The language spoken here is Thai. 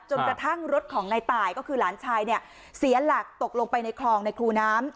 กระทั่งรถของในตายก็คือหลานชายเนี่ยเสียหลักตกลงไปในคลองในคูน้ำ